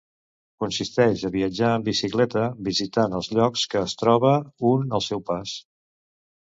Consisteix a viatjar en bicicleta visitant els llocs que es troba un al seu pas.